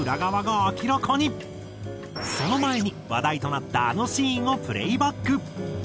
その前に話題となったあのシーンをプレーバック！